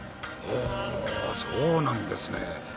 ほうそうなんですね。